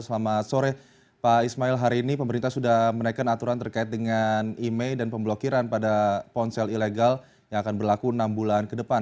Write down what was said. selamat sore pak ismail hari ini pemerintah sudah menaikkan aturan terkait dengan email dan pemblokiran pada ponsel ilegal yang akan berlaku enam bulan ke depan